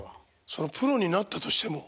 そのプロになったとしても。